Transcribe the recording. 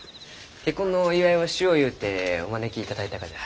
結婚のお祝いをしようゆうてお招きいただいたがじゃ。